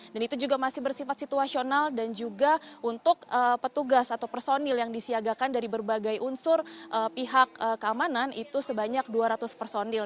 dan itu juga masih bersifat situasional dan juga untuk petugas atau personil yang disiagakan dari berbagai unsur pihak keamanan itu sebanyak dua ratus personil